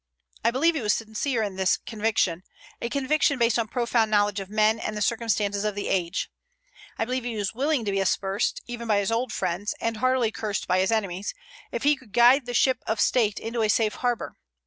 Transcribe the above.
I believe he was sincere in this conviction, a conviction based on profound knowledge of men and the circumstances of the age. I believe he was willing to be aspersed, even by his old friends, and heartily cursed by his enemies, if he could guide the ship of state into a safe harbor.